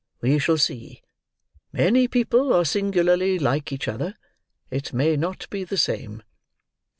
We shall see. Many people are singularly like each other. It may not be the same."